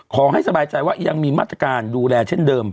ขอให้สบายใจว่ายังมีมาตรการดูแลเช่นเดิม